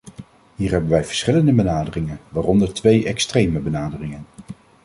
Hier hebben wij verschillende benaderingen, waaronder twee extreme benaderingen.